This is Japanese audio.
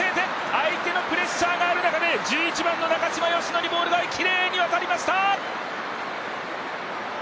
相手のプレッシャーがある中で１１番の中嶋淑乃にボールがきれいに渡りました！